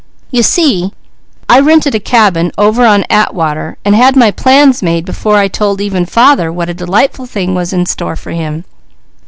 "You see I rented a cabin over at Atwater and had my plans made before I told even father what a delightful thing was in store for him."